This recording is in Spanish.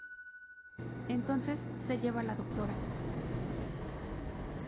Entonces se lleva a la "Dra.